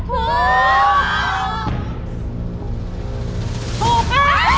ถูก